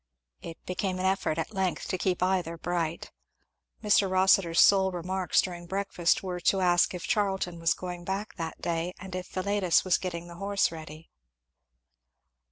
It became an effort at length to keep either bright. Mr. Rossitur's sole remarks during breakfast were to ask if Charlton was going back that day, and if Philetus was getting the horse ready.